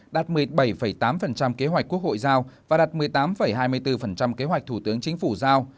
đạt một mươi bảy tám kế hoạch quốc hội giao và đạt một mươi tám hai mươi bốn kế hoạch thủ tướng chính phủ giao